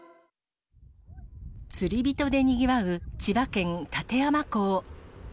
釣り人でにぎわう千葉県館山港。